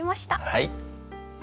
はい。